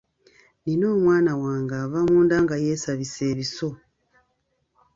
Nnina omwana wange ava munda nga yeesabise ebiso.